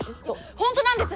本当なんです！